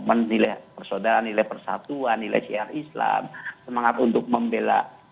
kita break kami akan segera kembali